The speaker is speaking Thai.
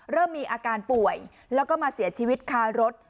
เริ่มมีอาการป่วยแล้วก็มาเสียชีวิตคารถ